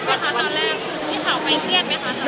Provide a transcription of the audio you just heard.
ตอนแรกพี่เขาไม่เครียดไหมคะ